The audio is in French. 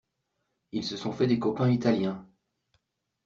Ils se sont fait des copains italiens.